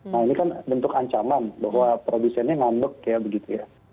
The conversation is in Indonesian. nah ini kan bentuk ancaman bahwa produsennya ngambek ya begitu ya